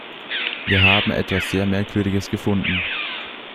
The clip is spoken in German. Wir haben etwas sehr Merkwürdiges gefunden.